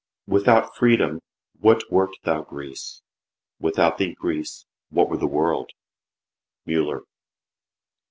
" Without freedom, what wert thou, Greece ? Without thee, Greece, what were the world ?" MULLER.